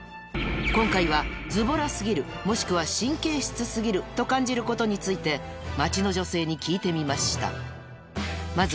今回はズボラ過ぎるもしくは神経質過ぎると感じることについて街の女性に聞いてみました